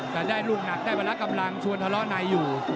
แต่ได้รูปหนักพลังส่วนทะเลาะในอยู่